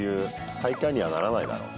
最下位にはならないだろう。